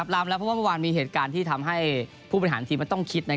เพราะว่าเมื่อวานมีเหตุการณ์ที่ทำให้ผู้เป็นอาหารทีมต้องคิด